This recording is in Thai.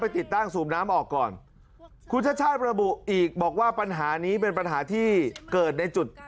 ติดตั้งสูบน้ำออกก่อนคุณชาติชาติระบุอีกบอกว่าปัญหานี้เป็นปัญหาที่เกิดในจุด